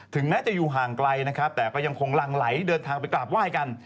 แม้จะอยู่ห่างไกลนะครับแต่ก็ยังคงหลั่งไหลเดินทางไปกราบไหว้กัน